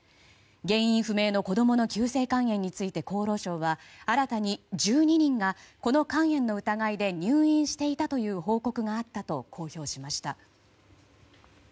原因不明の子供の急性肝炎について厚労省は新たに１２人がこの肝炎の疑いで入院していたという報告があったと公表しました。